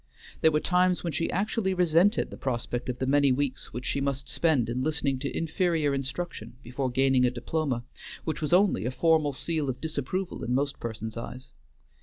There were times when she actually resented the prospect of the many weeks which she must spend in listening to inferior instruction before gaining a diploma, which was only a formal seal of disapproval in most persons' eyes.